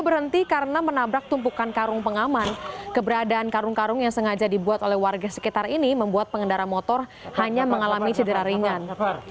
berhenti karena menabrak tumpukan karung pengaman keberadaan karung karung yang sengaja dibuat oleh warga sekitar ini membuat pengendara motor hanya mengalami cedera ringan